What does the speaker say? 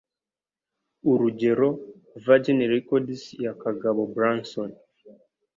Urugero, Virgin Records ya Kagabo Branson,